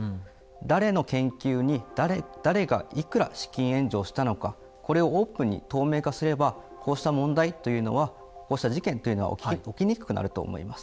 誰の研究に誰がいくら資金援助をしたのかこれをオープンに透明化すればこうした問題というのはこうした事件というのは起きにくくなると思います。